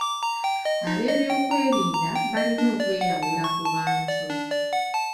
Abeebyokwerinda balina okweyawula ku bantu.